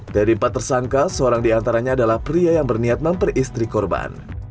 dari empat tersangka seorang diantaranya adalah pria yang berniat memperistri korban